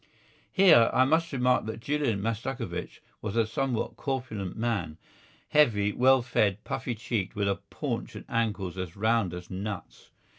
Here I must remark that Julian Mastakovich was a somewhat corpulent man, heavy, well fed, puffy cheeked, with a paunch and ankles as round as nuts.